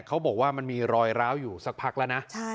เขาบอกว่ามันมีรอยร้าวอยู่สักพักแล้วนะ